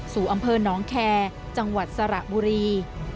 สู่อำเภอน้องแคร์จังหวัดสระบุรี